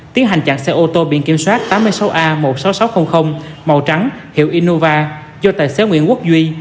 tiến hành chặn xe ô tô biển kiểm soát tám mươi sáu a một mươi sáu nghìn sáu trăm linh màu trắng hiệu innova do tài xế nguyễn quốc duy